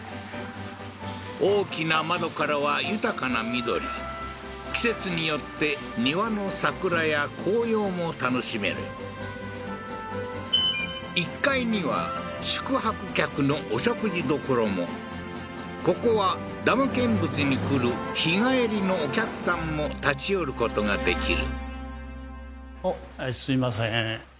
大きな窓からは豊かな緑季節によって庭の桜や紅葉も楽しめる１階には宿泊客のここはダム見物に来る日帰りのお客さんも立ち寄ることができる